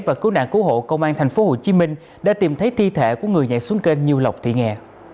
và cứu nạn cứu hộ công an tp hcm đã tìm thấy thi thể của người nhảy xuống kênh như lộc thị nghè